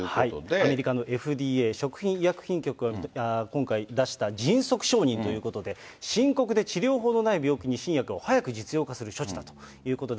アメリカのＦＤＡ・食品医薬品局が今回出した迅速承認ということで、深刻で治療法のない病気に新薬を早く実用化する処置だということで。